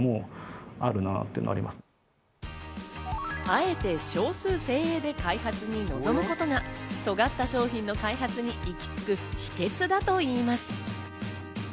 あえて少数精鋭で開発に臨むことが、尖った商品の開発に行き着く秘訣だといいます。